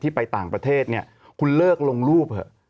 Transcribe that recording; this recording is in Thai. ไปต่างประเทศเนี่ยคุณเลิกลงรูปเถอะ